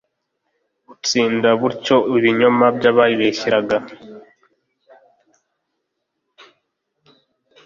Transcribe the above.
butsinda butyo ibinyoma by'abayibeshyeraga